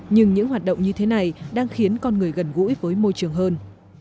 nhưng những hoạt động như thế này đang khiến con người gần gũi với môi trường hơn